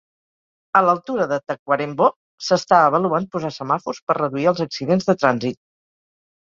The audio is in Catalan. A l'altura de Tacuarembó, s'està avaluant posar semàfors per reduir els accidents de trànsit.